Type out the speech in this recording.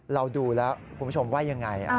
เราดูแล้วคุณผู้ชมว่ายังไง